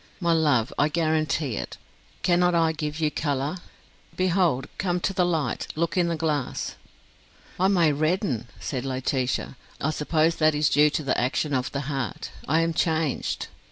My love, I guarantee it. Cannot I give you colour? Behold! Come to the light, look in the glass." "I may redden," said Laetitia. "I suppose that is due to the action of the heart. I am changed.